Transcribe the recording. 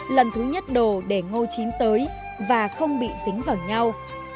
lần thứ nhất đồ để ngô chím tới và không bị dính vào nhau